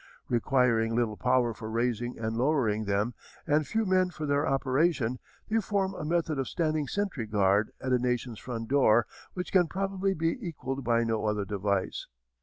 Requiring little power for raising and lowering them and few men for their operation, they form a method of standing sentry guard at a nation's front door which can probably be equalled by no other device.